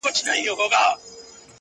د پښتنو هر مشر -